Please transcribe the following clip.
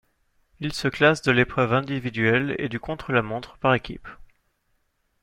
Il se classe de l'épreuve individuelle et du contre-la-montre par équipes.